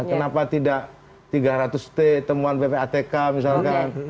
kenapa tidak tiga ratus t temuan ppatk misalkan